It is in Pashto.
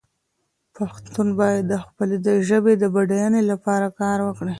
پښتون باید د خپلې ژبې د بډاینې لپاره کار وکړي.